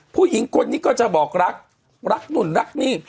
ผู้หญิงคนนี้ก็จะบอกรักรักนู่นรักนี่